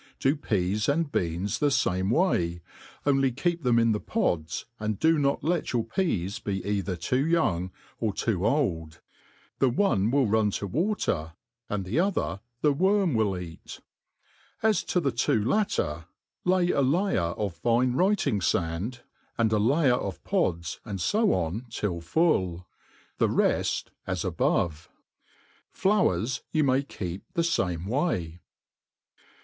Do peas and beam the fame way, only keep them im ihe pods, and 4o not let your peas be ciihcr too young or tob old ; tiic one will ran to water, and the other the worth ir'M Mt ; as to tiie two latter, lay a layer of fine writing faiid,"and Sk layer of pods, and fo on till full i the reft as above. Pkawess you auiy keep the faoie way.